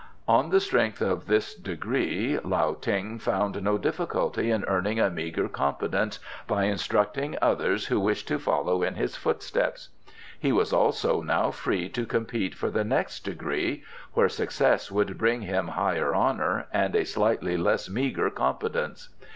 On the strength of his degree Lao Ting found no difficulty in earning a meagre competence by instructing others who wished to follow in his footsteps. He was also now free to compete for the next degree, where success would bring him higher honour and a slightly less meagre competence.